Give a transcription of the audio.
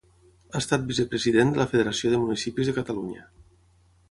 Ha estat vicepresident de la Federació de Municipis de Catalunya.